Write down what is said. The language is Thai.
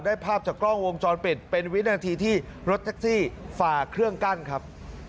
ภาพจากกล้องวงจรปิดเป็นวินาทีที่รถแท็กซี่ฝ่าเครื่องกั้นครับ